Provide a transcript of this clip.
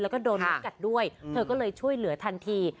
แล้วก็โดนน้ำกัดด้วยเธอก็เลยช่วยเหลือทันที